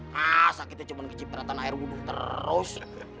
masa kita cuma kecipratan air buduh terus